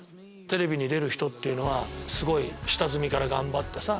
テレビに出る人っていうのはすごい下積みから頑張ってさ。